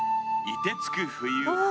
凍てつく冬。